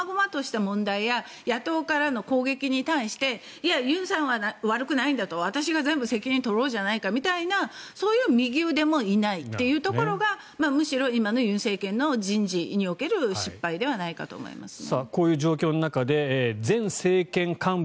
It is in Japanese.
野党からの攻撃に対していや、尹さんは悪くないんだと私が全部責任を取ろうじゃないかみたいなそういう右腕もいないというところがむしろ今の尹政権の人事における失敗ではないかと思います。